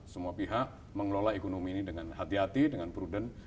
semua pihak mengelola ekonomi ini dengan hati hati dengan prudent